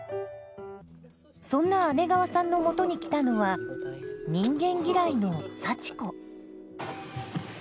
そんな姉川さんのもとに来たのは人間嫌いの幸子。